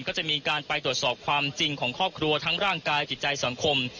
ก็จะมีการไปตรวจสอบความจริงของครอบครัวทั้งร่างกายจิตใจสังคม